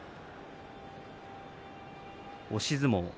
押し相撲。